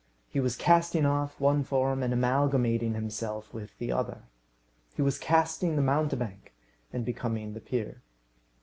He was casting off one form, and amalgamating himself with the other. He was casting the mountebank, and becoming the peer.